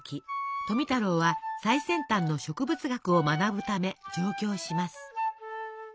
富太郎は最先端の植物学を学ぶため上京します。